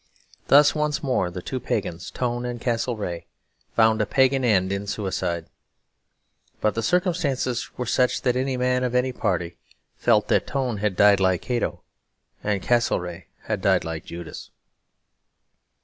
Thus, once more, the two pagans, Tone and Castlereagh, found a pagan end in suicide. But the circumstances were such that any man, of any party, felt that Tone had died like Cato and Castlereagh had died like Judas.